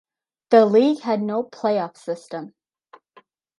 The league had no playoff system.